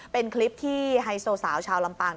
เป็นคลิปที่ไฮโซสาวชาวลำปาง